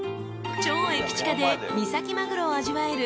［超駅近で三崎マグロを味わえる］